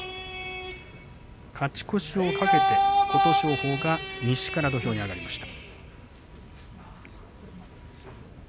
勝ち越しを懸けて琴勝峰が西から土俵に上がりました。